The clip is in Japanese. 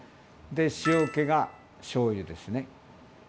で塩けがしょうゆですね。